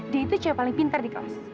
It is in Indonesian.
dia itu cewek paling pintar di kaos